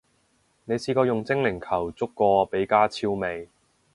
你試過用精靈球捉過比加超未？